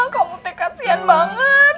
kamu kasian banget